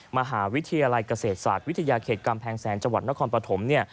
มหาวิทยาลัยเกษตรศาสตร์วิทยาเขตกำแพงแสนจังหวัดนครปฐม